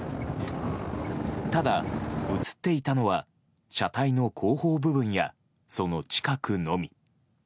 ただ、映っていたのは車体の後方部分やその近くのみ。